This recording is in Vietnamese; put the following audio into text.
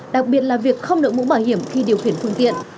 đặc biệt là việc không đội mũ bảo hiểm khi điều khiển phương tiện